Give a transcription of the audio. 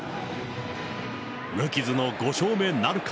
無傷の５勝目なるか。